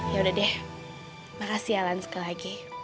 yaudah deh makasih ya alan sekali lagi